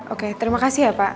oke terima kasih ya pak